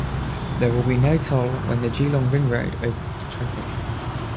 There will be no toll when the Geelong Ring Road opens to traffic.